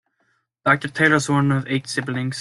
Doctor Taylor was one of eight siblings.